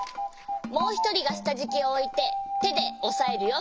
もうひとりがしたじきをおいててでおさえるよ。